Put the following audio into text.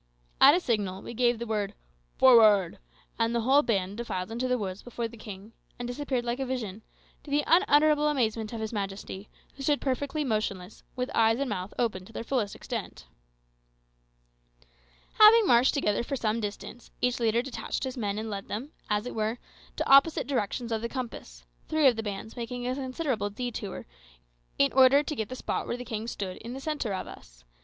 At a signal we gave the word "Forward!" and the whole band defiled into the woods before the king, and disappeared like a vision, to the unutterable amazement of his majesty, who stood perfectly motionless, with eyes and mouth open to their fullest extent. Having marched together for some distance, each leader detached his men and led them, as it were, to opposite directions of the compass, three of the bands making a considerable detour, in order to get the spot where the king stood in the centre of us.